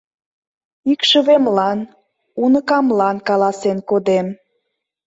— Икшывемлан, уныкамлан каласен кодем.